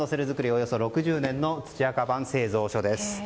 およそ６０年の土屋鞄製作所です。